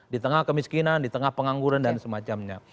di tengah kemiskinan di tengah pengangguran dan semacamnya